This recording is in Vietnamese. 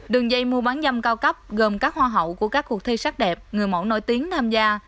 đường dây mua bán dâm cao cấp gồm các hoa hậu của các cuộc thi sắc đẹp người mẫu nổi tiếng tham gia